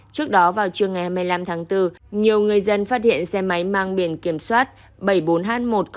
trước đó vào trưa ngày hai mươi năm tháng bốn nhiều người dân phát hiện xe máy mang biển kiểm soát bảy mươi bốn h một mươi nghìn chín trăm bảy mươi một